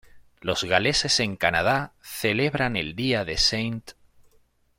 Los galeses en Canadá celebran el Día de St.